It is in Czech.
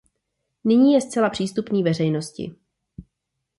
Nyní je zcela přístupný veřejnosti.